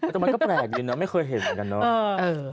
แต่มันก็แปลกดีเนาะไม่เคยเห็นเหมือนกันเนาะ